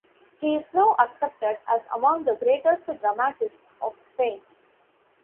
He is now accepted as among the greatest dramatists of Spain.